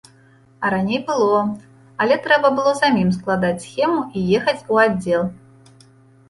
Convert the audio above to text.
А раней было, але трэба было самім складаць схему і ехаць у аддзел.